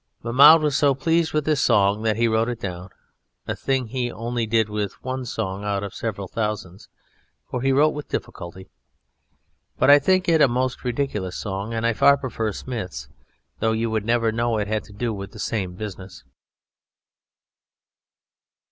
Mahmoud was so pleased with this song that he wrote it down, a thing he only did with one song out of several thousands, for he wrote with difficulty, but I think it a most ridiculous song, and I far prefer Smith's, though you would never know it had to do with the same business.